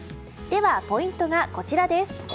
ポイントが、こちらです。